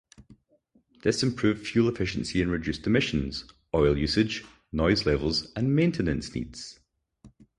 This improved fuel efficiency and reduced emissions, oil usage, noise levels, and maintenance needs.